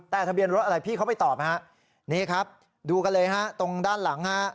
แต่ทะเบียนรถอะไรพี่เขาไปตอบนะฮะนี่ครับดูกันเลยฮะตรงด้านหลังฮะ